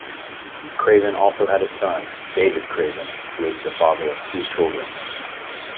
Craven also had a son, David Craven, who is the father of two children.